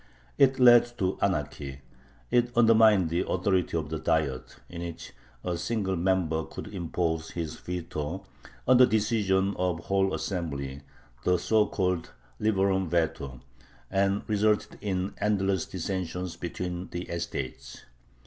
It led to anarchy, it undermined the authority of the Diet, in which a single member could impose his veto on the decision of the whole assembly (the so called liberum veto), and resulted in endless dissensions between the estates.